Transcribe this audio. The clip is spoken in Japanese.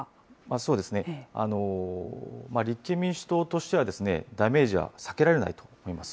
そうですね、立憲民主党としてはダメージは避けられないと思います。